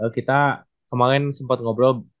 kita kemarin sempat ngobrol